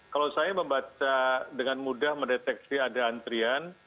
kalau saya membaca dengan mudah mendeteksi ada antrian